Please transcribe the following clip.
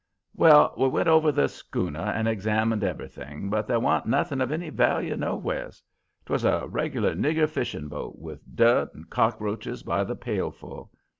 "Well, we went over the schooner and examined everything, but there wa'n't nothing of any value nowheres. 'Twas a reg'lar nigger fishing boat, with dirt and cockroaches by the pailful.